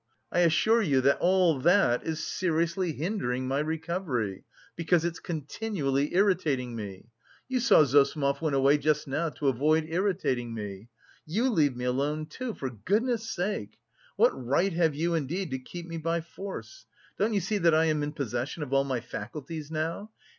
I assure you that all that is seriously hindering my recovery, because it's continually irritating me. You saw Zossimov went away just now to avoid irritating me. You leave me alone too, for goodness' sake! What right have you, indeed, to keep me by force? Don't you see that I am in possession of all my faculties now?